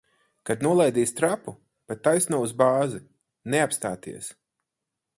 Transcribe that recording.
Kad nolaidīs trapu, pa taisno uz bāzi. Neapstāties!